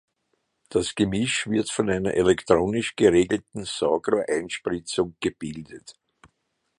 Das Gemisch wird von einer elektronisch geregelten Saugrohreinspritzung gebildet.